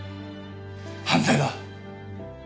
犯罪だ。